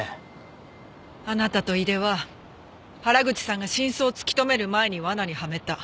あなたと井出は原口さんが真相を突き止める前に罠にはめた。